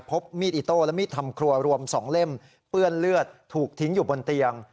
พบมีดอิโต้และมีดทำครัวรวม๒เล่มเปื้อนเลือดถูกทิ้งอยู่บนเตียง